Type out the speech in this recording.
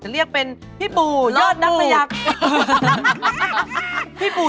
สวัสดีครับสวัสดีครับพี่ปู่